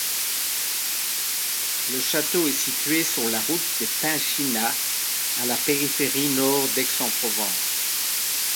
Le château est situé sur la route des Pinchinats à la périphérie nord d'Aix-en-Provence.